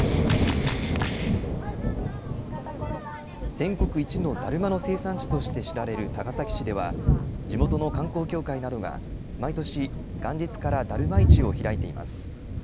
全国一のだるまの生産地として知られる高崎市では地元の観光協会などが毎年元日からだるま市を開いています。